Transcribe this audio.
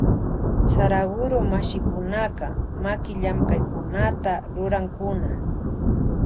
Saraguro mashikunaka makillamkaykunata rurankuna.